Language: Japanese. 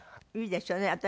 いいですよね。